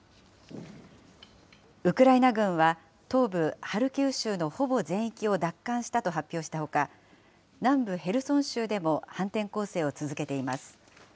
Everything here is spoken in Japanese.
ウクライナ軍は、東部ハルキウ州のほぼ全域を奪還したと発表したほか、南部ヘルソン州でも反転攻勢を続けています。